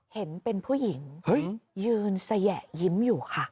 เห็นเป็นผู้หญิงยืนสยะยิ้มอยู่ค่ะ